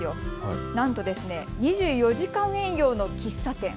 ２４時間営業の喫茶店。